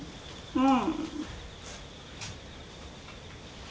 うん。